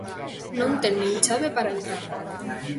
Non ten nin chave para entrar.